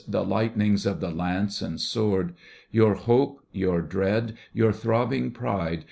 The Ughtnings of the lance and sword Your hope, your dread, your throbbing pride.